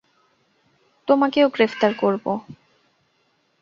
তোমাকেও গ্রেফতার করব।